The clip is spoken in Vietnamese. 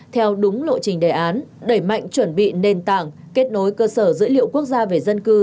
theo đúng lộ trình đề án đẩy mạnh chuẩn bị nền tảng kết nối cơ sở dữ liệu quốc gia về dân cư